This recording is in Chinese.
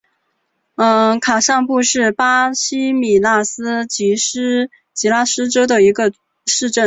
卡尚布是巴西米纳斯吉拉斯州的一个市镇。